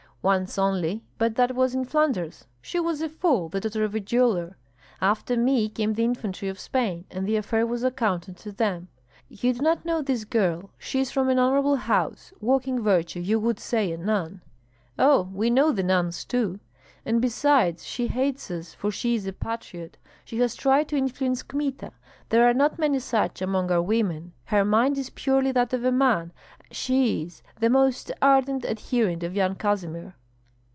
Once only, but that was in Flanders, she was a fool, the daughter of a jeweller. After me came the infantry of Spain, and the affair was accounted to them." "You do not know this girl; she is from an honorable house, walking virtue, you would say a nun." "Oh, we know the nuns too!" "And besides she hates us, for she is a patriot. She has tried to influence Kmita. There are not many such among our women. Her mind is purely that of a man; and she is the most ardent adherent of Yan Kazimir."